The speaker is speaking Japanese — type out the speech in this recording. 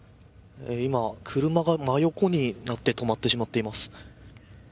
今、車が真横になって止まってしまっています。